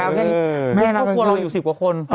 เหม็นอะไรเค้นเปลี่ยนว่าพวกเราอยู่๑๐กว่าคน